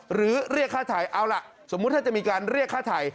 หรือเรียกค่าถ่ายเอาล่ะสมมุติถ้าจะมีการเรียกค่าถ่าย